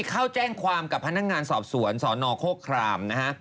เข้าแจ้งความกับพนักงานสอบสวนสนโคครามนะฮะ